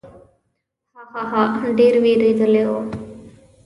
ها، ها، ها، ډېر وېرېدلی و.